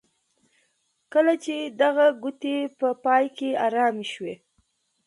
کله چې د هغه ګوتې په پای کې ارامې شوې